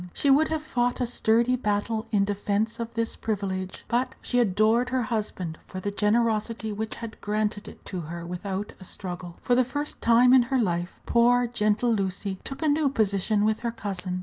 She would have fought a sturdy battle in defence of this privilege; but she adored her husband for the generosity which had granted it to her without a struggle. For the first time in her life, poor, gentle Lucy took a new position with her cousin.